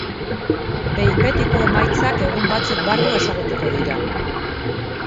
Behin betiko emaitzak egun batzuk barru ezagutuko dira.